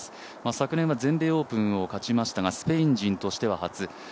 昨年は全米オープンを勝ちましたがスペイン人としては初。